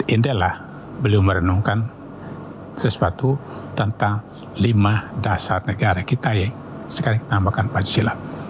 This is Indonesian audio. indah lah beliau merenungkan sesuatu tentang lima dasar negara kita yang sekarang kita namakan pancasila